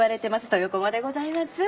豊駒でございます。